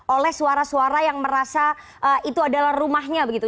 oleh suara suara yang merasa itu adalah rumahnya begitu